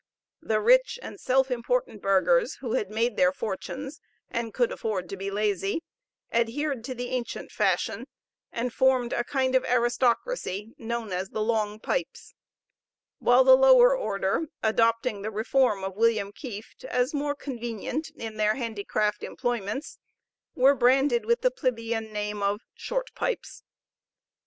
The rich and self important burghers who had made their fortunes, and could afford to be lazy, adhered to the ancient fashion, and formed a kind of aristocracy known as the Long Pipes; while the lower order, adopting the reform of William Kieft as more convenient in their handicraft employments, were branded with the plebeian name of Short Pipes.